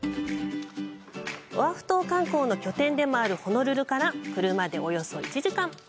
オアフ島観光の拠点でもあるホノルルから車でおよそ１時間。